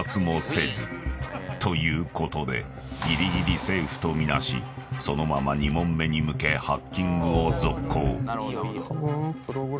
［ということでギリギリセーフと見なしそのまま２問目に向けハッキングを続行］